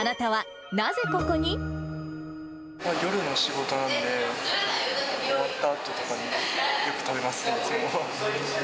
夜の仕事なんで、終わったあととかによく食べますね、いつも。